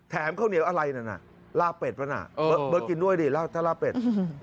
แถมข้าวเหนียวอะไรนั่นน่ะลาเบ็ดปะน่ะเบิ๊ดกินด้วยดิลาเบ็ด